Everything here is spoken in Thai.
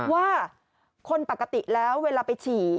ว่าคนปกติแล้วเวลาไปฉี่